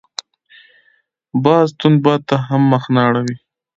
باز تند باد ته هم مخ نه اړوي